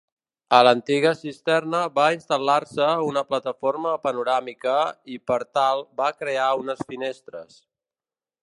A l'antiga cisterna va instal·lar-se una plataforma panoràmica, i per tal va crear unes finestres.